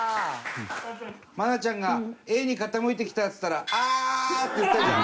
愛菜ちゃんが「Ａに傾いてきた」っつったら「ああ！」って言ったじゃん。